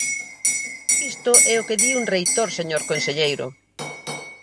Isto é o que di un reitor, señor conselleiro.